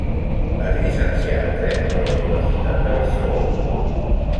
Es llicencià en Dret per la Universitat de Barcelona.